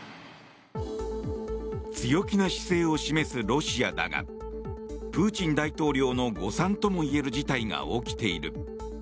強気な姿勢を示すロシアだがプーチン大統領の誤算ともいえる事態が起きている。